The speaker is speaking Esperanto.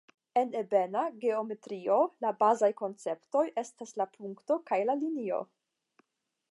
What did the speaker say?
En ebena geometrio la bazaj konceptoj estas la punkto kaj la linio.